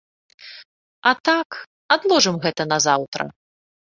А так, адложым гэта на заўтра!